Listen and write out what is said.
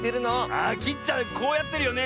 あきっちゃんこうやってるよね。